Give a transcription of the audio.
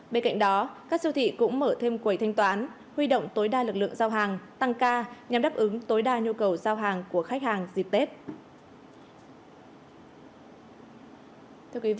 bên cạnh đó các siêu thị cũng mở thêm quầy thanh toán huy động tối đa lực lượng giao hàng tăng ca nhằm đáp ứng tối đa nhu cầu giao hàng của khách hàng dịp tết